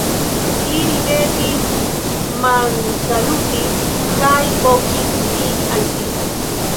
Li ridetis, mansalutis kaj vokis min al si.